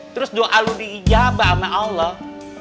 terus doa lu di ijabah sama allah